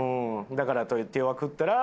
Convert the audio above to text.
だからといって弱く打ったら。